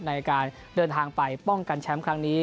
ในการเดินทางไปป้องกันแชมป์ครั้งนี้